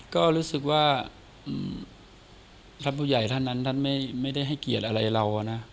ก็รู้สึกว่าท่านผู้ใหญ่ท่านนั้นท่านไม่ได้ให้เกียรติอะไรเรานะ